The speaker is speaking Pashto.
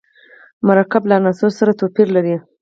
مرکب له عنصر سره څه توپیر لري.